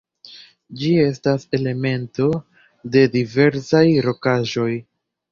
Ĝi estas elemento de diversaj rokaĵoj.